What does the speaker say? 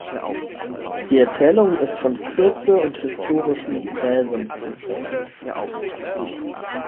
Die Erzählung ist von Kürze und historischem Präsens geprägt.